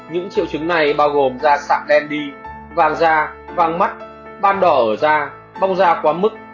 những triệu chứng này bao gồm da sạc đen đi vàng da vàng mắt ban đỏ ở da bong da quá mức